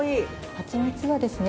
はちみつはですね